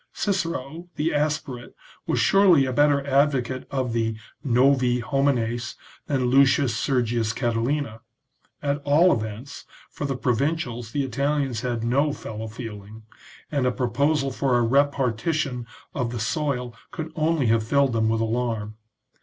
I I Cicero, the aspirat e^ was surely a better advocate of / I the " 7iovi homines " than Lucius Sergius Catilina ; at '•^* all events, for the provincials the Italians had no fellow feeling, and a proposal for a repartition of the soil could only have filled them with alarm.